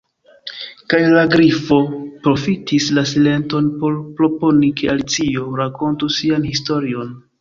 Kaj la Grifo profitis la silenton por proponi ke Alicio rakontu sian historion.